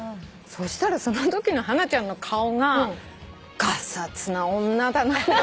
そしたらそのときのハナちゃんの顔が「がさつな女だな」って。